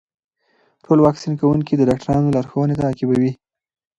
ټول واکسین کوونکي د ډاکټرانو لارښوونې تعقیبوي.